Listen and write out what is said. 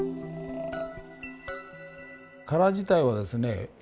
殻自体はですね